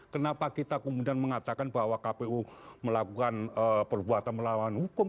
kenapa kita kemudian mengatakan bahwa kpu melakukan perbuatan melawan hukum